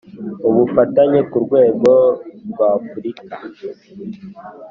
Ubufatanye ku rwego rw afurika